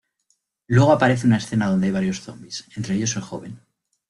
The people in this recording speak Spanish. Luego aparece una escena donde hay varios zombies, entre ellos, el joven.